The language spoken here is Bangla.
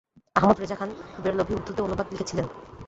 আহমদ রেজা খান বেরলভী উর্দুতে অনুবাদ লিখেছিলেন।